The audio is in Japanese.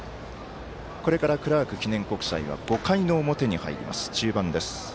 これから、クラーク記念国際は５回の表に入ります、中盤です。